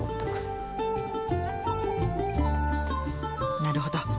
なるほど。